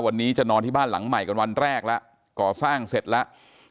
วันนี้จะนอนที่บ้านหลังใหม่กันวันแรกแล้วก่อสร้างเสร็จแล้ว